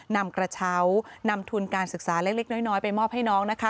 นำกระเช้านำทุนการศึกษาเล็กน้อยไปมอบให้น้องนะคะ